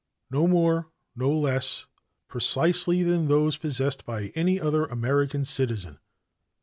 No more, no less, precisely, than those possessed by any other American citizen.